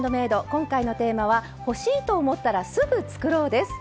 今回のテーマは「欲しい！と思ったらすぐ作ろう」です。